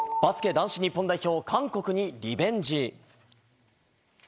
男子日本代表、韓国にリベンジ。